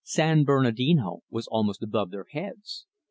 San Bernardino was almost above their heads.